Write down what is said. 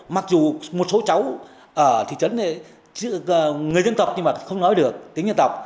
mặc dù một số cháu ở thị trấn này người dân tộc nhưng mà không nói được tính dân tộc